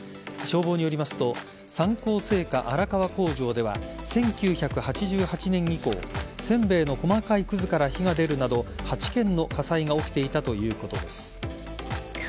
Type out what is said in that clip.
消防によりますと三幸製菓荒川工場では１９８８年以降せんべいの細かいくずから火が出るなど８件の火災が起きていたということです。